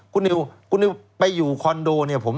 คุณนิวไปอยู่คอนโดเนี่ย